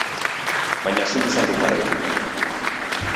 Baina ezin izan du jarraitu.